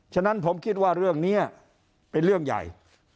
ฉะนั้นผมคิดว่าเรื่องนี้เป็นเรื่องใหญ่